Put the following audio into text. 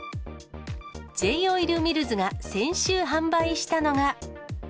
Ｊーオイルミルズが先週販売したのが。